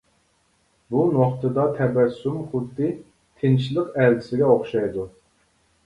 بۇ نۇقتىدا تەبەسسۇم خۇددى تىنچلىق ئەلچىسىگە ئوخشايدۇ.